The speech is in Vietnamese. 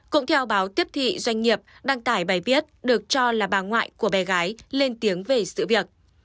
cũng theo báo tiếp thị doanh nghiệp đăng tải bài viết được cho là bà ngoại của bé gái lên tiếng về sự việc